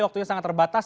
waktunya sangat terbatas